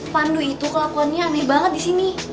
pandu itu kelakuannya aneh banget disini